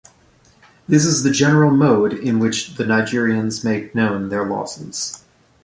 This is the general mode in which the Nigerians make known their losses.